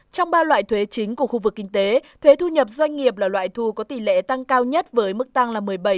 trong ba loại thuế chính của khu vực kinh tế thuế thu nhập doanh nghiệp là loại thu có tỷ lệ tăng cao nhất với mức tăng một mươi bảy chín mươi bốn